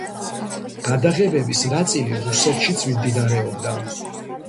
გადაღებების ნაწილი რუსეთშიც მიმდინარეობდა.